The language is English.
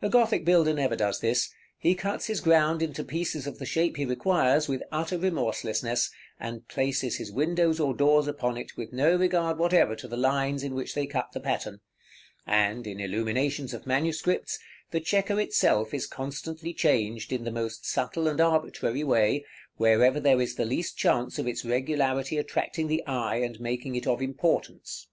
A Gothic builder never does this: he cuts his ground into pieces of the shape he requires with utter remorselessness, and places his windows or doors upon it with no regard whatever to the lines in which they cut the pattern: and, in illuminations of manuscripts, the chequer itself is constantly changed in the most subtle and arbitrary way, wherever there is the least chance of its regularity attracting the eye, and making it of importance.